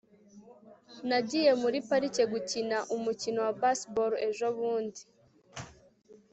nagiye muri parike gukina umukino wa baseball ejobundi